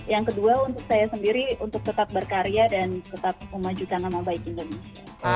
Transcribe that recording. yang kedua untuk saya sendiri untuk tetap berkarya dan tetap memajukan nama baik indonesia